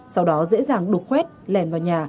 sau đó dễ dàng đục khuét lèn vào nhà